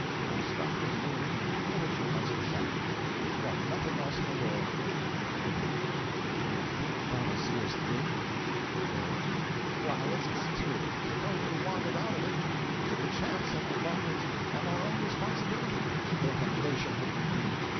Now stop your mooning and get at your Meisterschaft; we've got nothing else in the world. W. Do you think that'll see us through? GEO. Why it's got to. Suppose we wandered out of it and took a chance at the language on our own responsibility, where the nation would we be!